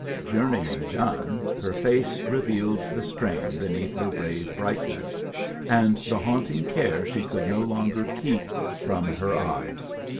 Journeying done, her face revealed the strain beneath her brave brightness, and the haunting care she could no longer keep from her eyes.